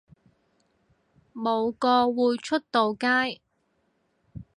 冇個會出到街